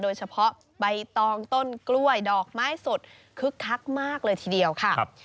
โดยเฉพาะใบตองต้นกล้วยดอกไม้สดคึกคักมากเลยทีเดียวค่ะ